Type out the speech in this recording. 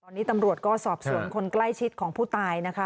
ตอนนี้ตำรวจก็สอบสวนคนใกล้ชิดของผู้ตายนะคะ